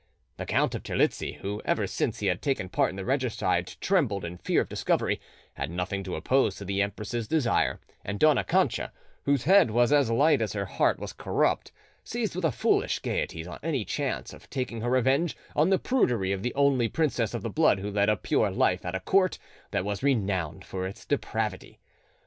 The Count of Terlizzi, who ever since he had taken part in the regicide trembled in fear of discovery, had nothing to oppose to the empress's desire, and Dona Cancha, whose head was as light as her heart was corrupt, seized with a foolish gaiety on any chance of taking her revenge on the prudery of the only princess of the blood who led a pure life at a court that was renowned for its depravity.